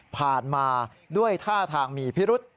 มาด้วยท่าทางมีพิรุษ